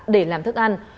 để làm thức ăn